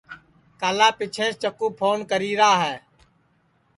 کالا پیچھیںٚس چکُو پھون کری را ہے